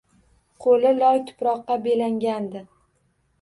Qoʻli loy-tuproqqa belangandi